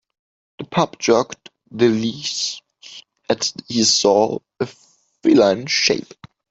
The pup jerked the leash as he saw a feline shape.